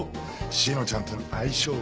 志乃ちゃんとの相性を。